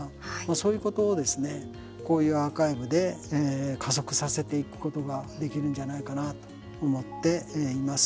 そういうことをですねこういうアーカイブで加速させていくことができるんじゃないかなと思っています。